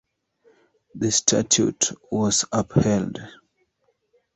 The statute was upheld.